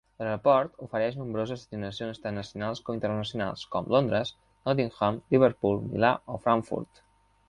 L'Aeroport ofereix nombroses destinacions tant nacionals com internacionals, com Londres, Nottingham, Liverpool, Milà o Frankfurt.